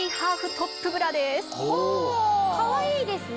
かわいいですね。